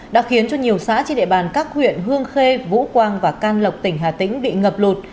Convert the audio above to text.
đã khiến cho nhiều xã trên địa bàn các huyện hương khê vũ quang và can lộc tỉnh hà tĩnh bị ngập lụt